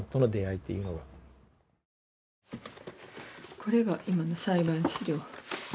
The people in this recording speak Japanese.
これが今の裁判資料。